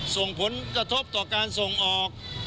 ส่งผลกระทบต่อการส่งออก